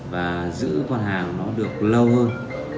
và giữ con hàng nó được lâu hơn